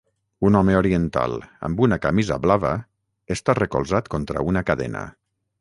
Un home oriental amb una camisa blava està recolzat contra una cadena.